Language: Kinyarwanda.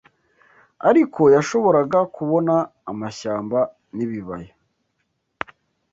Ariko yashoboraga kubona amashyamba n'ibibaya